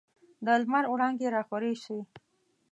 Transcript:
د لمر وړانګي راخورې سوې.